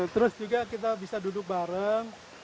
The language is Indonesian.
terus juga kita bisa duduk bareng